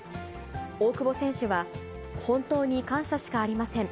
大久保選手は、本当に感謝しかありません。